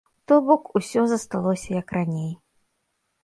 То бок, усё засталося, як раней.